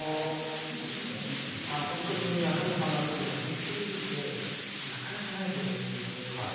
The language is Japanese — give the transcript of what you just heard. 穴にはまるというのは本当になかなかないことですので。